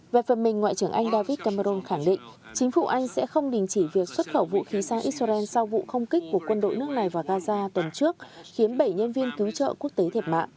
về phần mình ngoại trưởng anh david cameroon khẳng định chính phủ anh sẽ không đình chỉ việc xuất khẩu vũ khí sang israel sau vụ không kích của quân đội nước này vào gaza tuần trước khiến bảy nhân viên cứu trợ quốc tế thiệt mạng